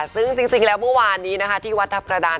ซึ่งจริงแล้วเมื่อวานนี้นะคะที่วัดทัพกระดาน